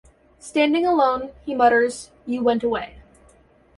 Standing alone, he mutters: You went away.